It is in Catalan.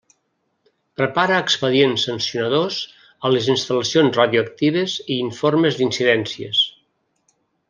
Prepara expedients sancionadors a les instal·lacions radioactives i informes d'incidències.